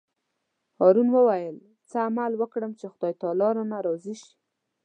هارون وویل: څه عمل وکړم چې خدای تعالی رانه راضي شي.